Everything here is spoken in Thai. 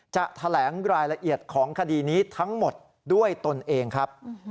จะแถลงรายละเอียดของคดีนี้ทั้งหมดด้วยตนเองครับ